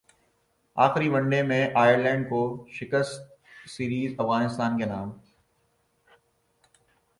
اخری one day میں Ireland کو شکستسیریز افغانستان کے نام